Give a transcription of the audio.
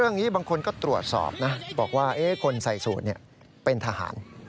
เรื่องนี้บางคนก็ตรวจสอบนะบอกว่าเอ๊ะคนใส่สูตรเนี่ยเป็นทหาร